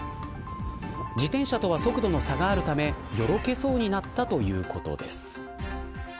自転車とは速度の差があるためよろけそうになったということです。